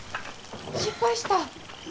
失敗した？